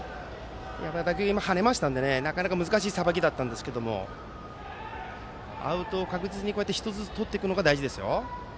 打球も跳ねましたのでなかなか難しいさばきでしたけどアウトを確実に１つずつとっていくのが大事ですよ。